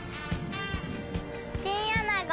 チンアナゴ。